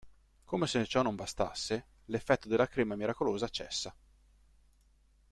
Come se ciò non bastasse, l'effetto della crema miracolosa cessa.